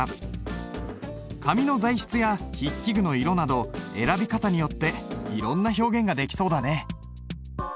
紙の材質や筆記具の色など選び方によっていろんな表現ができそうだね。